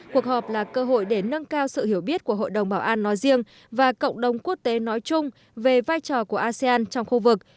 cuộc họp là cơ hội để nâng cao sự hiểu biết của hội đồng bảo an nói riêng và cộng đồng quốc tế nói chung về vai trò của asean trong khu vực